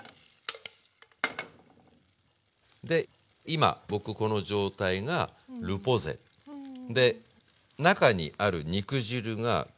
で今僕この状態がルポゼ。で中にある肉汁がこう躍ってるわけですまだ。